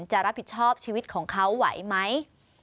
จะรับผิดชอบชีวิตของเขาไหวไหม